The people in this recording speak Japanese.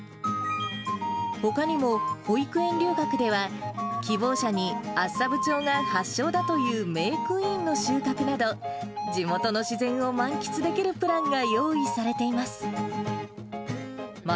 ほかにも保育園留学では、希望者に厚沢部町が発祥だというメークインの収穫など、地元の自然を満喫できるプランが用意されています。